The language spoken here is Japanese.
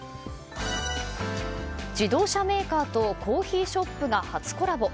自動車メーカーとコーヒーショップが初コラボ。